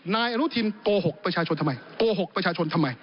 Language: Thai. นายอนุทินโกหกประชาชนทำไมโกหกประชาชนทำไม